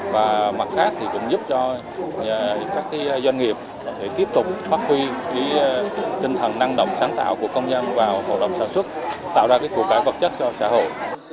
và mặt khác cũng giúp cho các doanh nghiệp tiếp tục phát huy tinh thần năng động sáng tạo của công dân vào hội đồng sản xuất tạo ra cụ cải vật chất cho xã hội